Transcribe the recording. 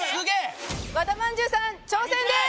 和田まんじゅうさん挑戦です！